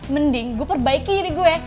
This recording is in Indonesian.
mending gue perbaiki diri gue